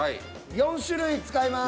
４種類使います。